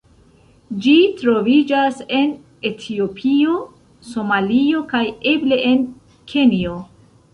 Ĝi troviĝas en Etiopio, Somalio, kaj eble en Kenjo.